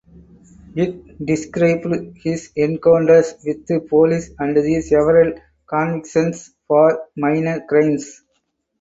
It described his encounters with police and the several convictions for minor crimes.